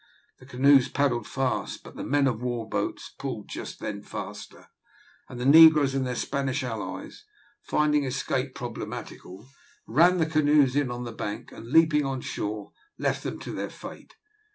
The canoes paddled fast, but the men of war boats pulled just then faster, and the negroes and their Spanish allies, finding escape problematical, ran the canoes in on the bank, and, leaping on shore, left them to their fate.